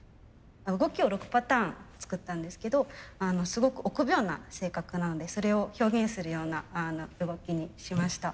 動きを６パターン作ったんですけどすごく臆病な性格なのでそれを表現するような動きにしました。